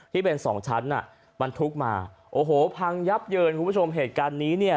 ที่เป็นสองชั้นอ่ะบรรทุกมาโอ้โหพังยับเยินคุณผู้ชมเหตุการณ์นี้เนี่ย